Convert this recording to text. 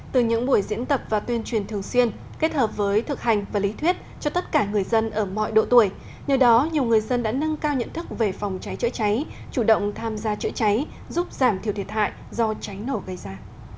từ những buổi diễn tập và tuyên truyền thường xuyên kết hợp với thực hành và lý thuyết cho tất cả người dân ở mọi độ tuổi nhờ đó nhiều người dân đã nâng cao nhận thức về phòng cháy chữa cháy chủ động tham gia chữa cháy giúp giảm thiểu thiệt hại do cháy nổ gây ra